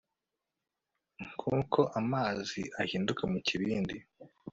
Nkuko amazi ahinduka mukibindi